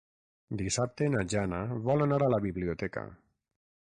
Dissabte na Jana vol anar a la biblioteca.